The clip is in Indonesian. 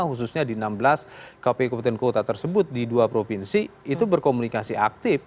khususnya di enam belas kpu kabupaten kota tersebut di dua provinsi itu berkomunikasi aktif